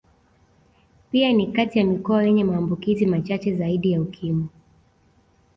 Pia ni kati ya mikoa yenye maambukizi machache zaidi ya Ukimwi